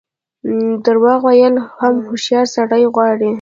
درواغ ویل هم هوښیار سړی غواړي.